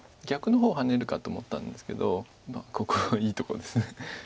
逆の方ハネるかと思ったんですけどここいいとこです。